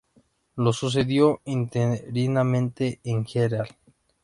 Lo sucedió interinamente el Gral.